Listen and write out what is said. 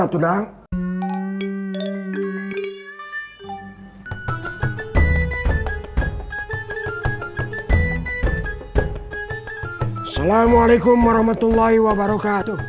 assalamualaikum warahmatullahi wabarakatuh